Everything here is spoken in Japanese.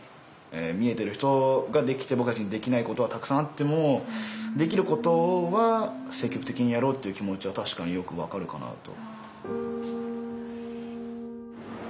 見えてる人ができて僕たちにできないことはたくさんあってもできることは積極的にやろうっていう気持ちは確かによく分かるかなと。